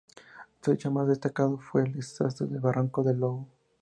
Su hecho más destacado fue el desastre del Barranco del Lobo.